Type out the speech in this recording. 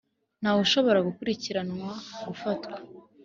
Ntawe ushobora gukurikiranwa, gufatwa,